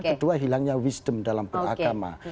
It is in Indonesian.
kedua hilangnya wisdom dalam beragama